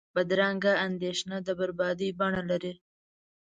بدرنګه اندیشه د بربادۍ بڼه لري